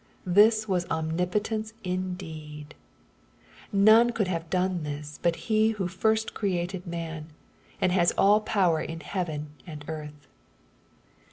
This was omnipotence indeed I None could have done this but He who first created man, and has all power in heaven and earth.